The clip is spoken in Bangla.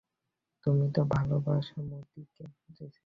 তুমি তো ভালোবাস মতিকে?